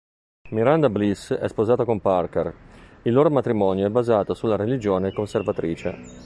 Miranda Bliss è sposata con Parker, il loro matrimonio è basato sulla religione conservatrice.